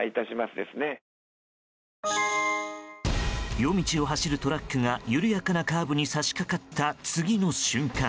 夜道を走るトラックが緩やかなカーブに差し掛かった次の瞬間